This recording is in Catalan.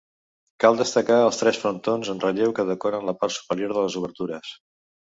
Cal destacar els tres frontons en relleu, que decoren la part superior de les obertures.